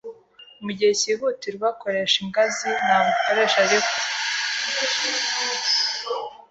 Mugihe cyihutirwa, koresha ingazi, ntabwo ukoresha lift.